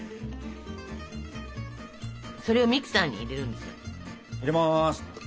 それをミキサーに入れるんですよ。入れます。